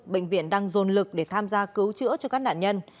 bệnh viện đang dồn lực để tham gia cứu chữa cho các nạn nhân